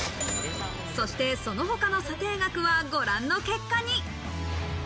そして、その他の査定額はご覧の結果に。